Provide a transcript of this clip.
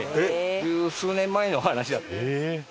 十数年前の話だと。